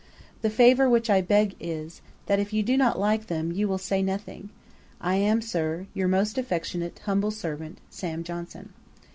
The favour which I beg is, that if you do not like them, you will say nothing. I am, Sir, 'Your most affectionate humble servant, 'SAM. JOHNSON.'